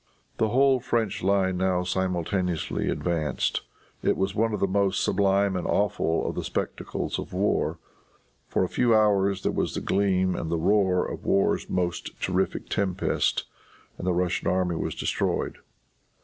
The whole French line now simultaneously advanced. It was one of the most sublime and awful of the spectacles of war. For a few hours there was the gleam and the roar of war's most terrific tempest and the Russian army was destroyed.